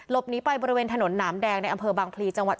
หนีไปบริเวณถนนหนามแดงในอำเภอบางพลีจังหวัด